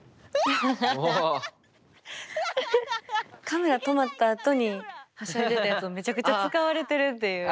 カメラ止まったあとにはしゃいでたやつをめちゃくちゃ使われてるっていう。